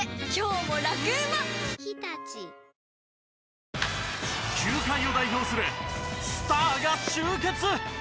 フラミンゴ球界を代表するスターが集結！